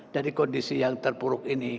dari kondisi yang terpuruk ini